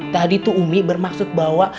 tadi tuh umi bermaksud bahwa